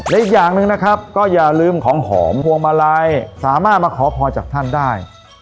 และอีกอย่างหนึ่งนะครับก็อย่าลืมของหอมพวงมาลัยสามารถมาขอพรจากท่านได้